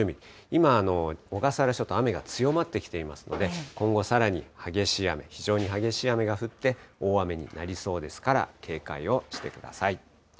今、小笠原諸島、雨が強まってきていますので、今後さらに激しい雨、非常に激しい雨が降って、大雨になりそうですから、警戒をしてください。